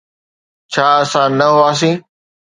ڇا اسان نه هئاسين؟